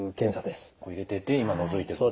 入れてって今のぞいてると。